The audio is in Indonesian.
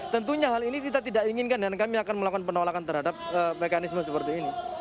tentunya hal ini kita tidak inginkan dan kami akan melakukan penolakan terhadap mekanisme seperti ini